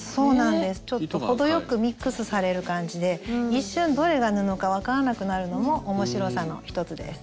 ちょっと程よくミックスされる感じで一瞬どれが布か分からなくなるのも面白さの一つです。